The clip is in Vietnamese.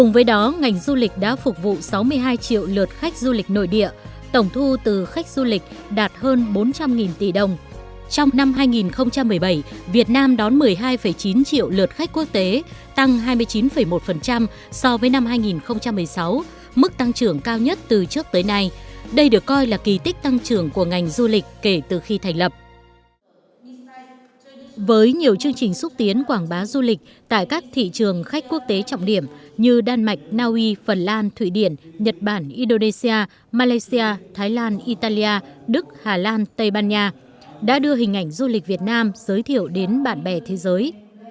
với nhiều chương trình xúc tiến quảng bá du lịch tại các thị trường khách quốc tế trọng điểm như đan mạch naui phần lan thụy điển nhật bản indonesia malaysia thái lan italia đức hà lan tây ban nha đã đưa hình ảnh du lịch việt nam giới thiệu đến bạn bè thế giới